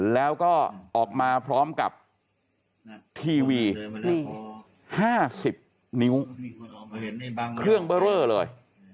แล้วก็ออกมาพร้อมกับทีวี๕๐นิ้วเครื่องเบอร์เรอเลย